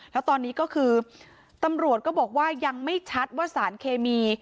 แล้วตอนนี้ก็คือตำรวจก็บอกว่ายังไม่ชัดว่าสารเคมี